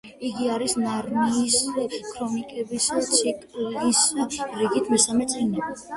იგი არის ნარნიის ქრონიკების ციკლის რიგით მესამე წიგნი.